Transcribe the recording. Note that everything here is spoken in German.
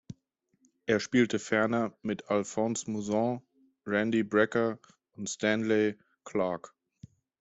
Er spielte ferner mit Alphonse Mouzon, Randy Brecker und Stanley Clarke.